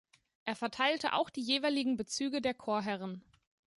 Er verteilte auch die jeweiligen Bezüge der Chorherren.